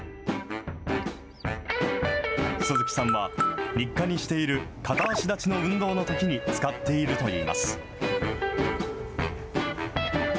鈴木さんは、日課にしている片足立ちの運動のときに使っているといいます。